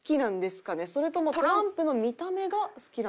それともトランプの見た目が好きなのか。